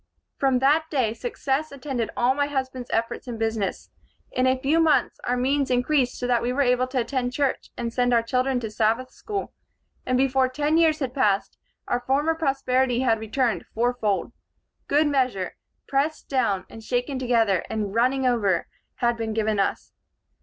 "From that day success attended all my husband's efforts in business. In a few months our means increased so that we were able to attend church and send our children to Sabbath school, and before ten years had passed, our former prosperity had returned fourfold. 'Good measure, pressed down, and shaken together, and running over,' had been given us.